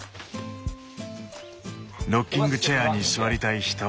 ロッキングチェアに座りたい人？